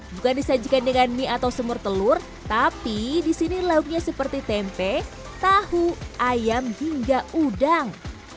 bukan disajikan dengan mie atau semur telur tapi di sini lauknya seperti tempe tahu ayam hingga udang